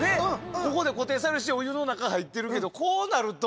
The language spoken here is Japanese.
ここで固定されるしお湯の中入ってるけどこうなると。